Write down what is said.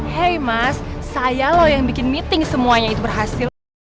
hei mas saya loh yang bikin meeting semuanya itu berhasil